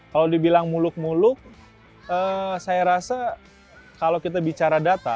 kalau dibilang muluk muluk saya rasa kalau kita bicara data